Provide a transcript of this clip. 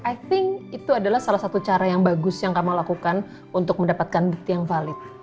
i think itu adalah salah satu cara yang bagus yang kamu lakukan untuk mendapatkan bukti yang valid